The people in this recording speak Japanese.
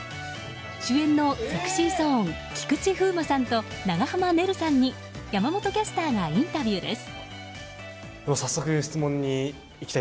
主演のＳｅｘｙＺｏｎｅ菊池風磨さんと長濱ねるさんに山本キャスターがインタビューです。